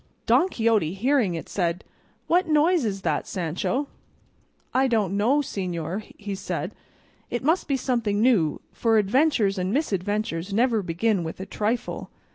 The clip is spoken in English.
Don Quixote, hearing it, said, "What noise is that, Sancho?" "I don't know, señor," said he; "it must be something new, for adventures and misadventures never begin with a trifle."